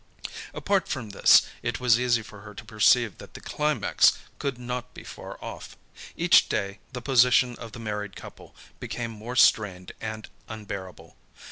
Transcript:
Apart from this, it was easy for her to perceive that the climax could not be far off. Each day the position of the married couple became more strained and unbearable.